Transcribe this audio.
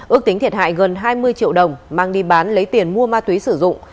ước tính thiệt hại gần hai mươi triệu đồng mang đi bán lấy tiền mua ma túy sử dụng